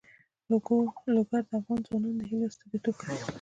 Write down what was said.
لوگر د افغان ځوانانو د هیلو استازیتوب کوي.